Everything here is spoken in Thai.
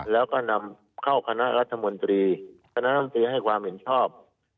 แล้วก็นำเข้าคณะรัฐมนตรีคณะรัฐมนตรีให้ความเห็นชอบ